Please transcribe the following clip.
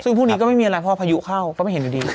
ซึ่งพรุ่งนี้ก็ไม่มีอะไรเพราะพายุเข้าก็ไม่เห็นอยู่ดี